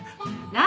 何？